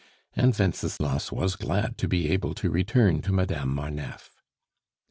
And Wenceslas was glad to be able to return to Madame Marneffe.